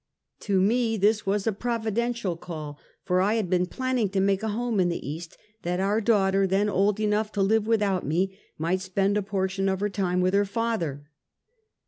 To me this was a providential call, for I had been planning to make a home in the East, that our daugh ter, then old enough to live without me, might sjDend a portion of her time with her father.